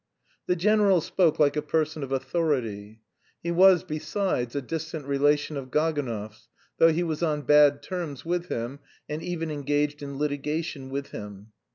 The general spoke like a person of authority. He was, besides, a distant relation of Gaganov's, though he was on bad terms with him, and even engaged in litigation with him.